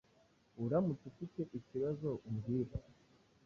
Uramutse ufite ikibazo umbwire